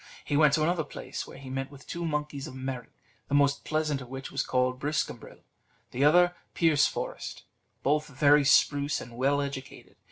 He went to another place, where he met with two monkeys of merit, the most pleasant of which was called Briscambril, the other Pierceforest both very spruce and well educated.